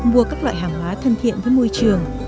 mua các loại hàng hóa thân thiện với môi trường